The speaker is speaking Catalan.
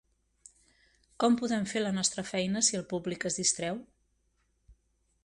Com podem fer la nostra feina si el públic es distreu?